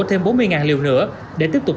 thêm bốn mươi liều nữa để tiếp tục